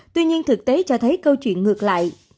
tuy nhiên thực tế cho thấy câu chuyện ngược lại